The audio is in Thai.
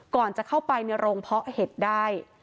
ก่อนจะเข้าไปในโรงเพาะเห็ดได้